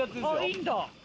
いいんだ。